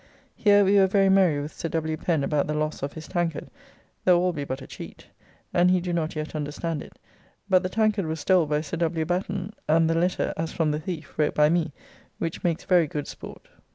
Here we were very merry with Sir W. Pen about the loss of his tankard, though all be but a cheat, and he do not yet understand it; but the tankard was stole by Sir W. Batten, and the letter, as from the thief, wrote by me, which makes: very good sport.